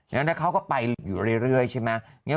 แล้วเขาก็ไปอยู่เรื่อยใช่ไหม